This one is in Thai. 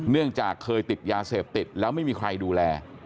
เนื่องจากเคยติดยาเสพติดแล้วไม่มีใครดูแล